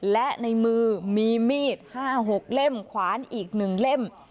และในมือมีมีดห้าหกเล่มขวานอีกหนึ่งเล่ม